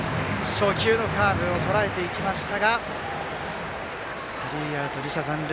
初球のカーブをとらえていきましたがスリーアウト、２者残塁。